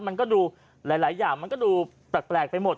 มันก็ดูหลายอย่างมันก็ดูแปลกไปหมด